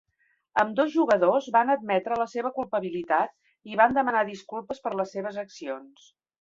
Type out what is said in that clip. Ambdós jugadors van admetre la seva culpabilitat i van demanar disculpes per les seves accions.